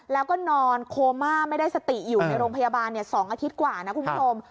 แล้วก็นอนโคม่าไม่ได้สติอยู่ในโรงพยาบาล๒อาทิตย์กว่านะคุณผู้ชม